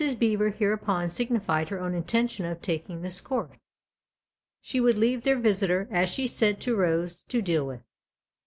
Beever hereupon signified her own intention of taking this course: she would leave their visitor, as she said, to Rose to deal with.